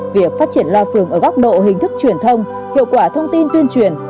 việc phát triển loa phường ở góc độ hình thức truyền thông hiệu quả thông tin tuyên truyền